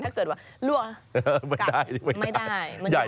ถ้าเกิดลากันไม่ได้ไม่ได้